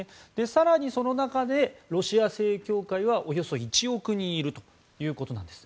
更に、その中でロシア正教会はおよそ１億人いるということです。